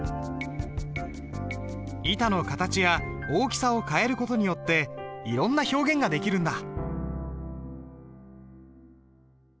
板の形や大きさを変える事によっていろんな表現ができるんだ。